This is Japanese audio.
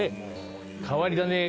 変わり種